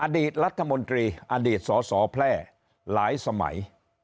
อดีตรัฐมนตรีอดีตสสแพร่หลายสมัย